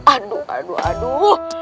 aduh aduh aduh